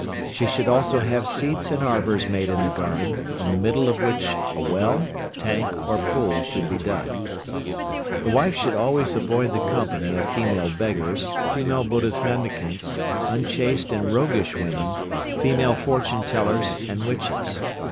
She should also have seats and arbours made in the garden, in the middle of which a well, tank, or pool should be dug. The wife should always avoid the company of female beggars, female buddish mendicants, unchaste and roguish women, female fortune tellers and witches.